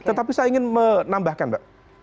tetapi saya ingin menambahkan mbak